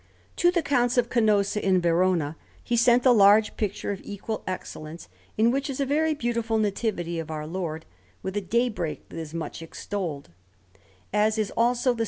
_] To the Counts of Canossa in Verona he sent a large picture of equal excellence, in which is a very beautiful Nativity of Our Lord, with a daybreak that is much extolled, as is also the S.